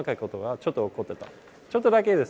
ちょっとだけです。